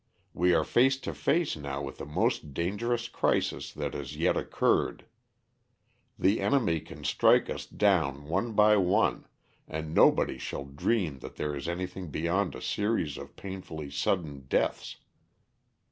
We are face to face now with the most dangerous crisis that has yet occurred. The enemy can strike us down one by one, and nobody shall dream that there is anything beyond a series of painfully sudden deaths.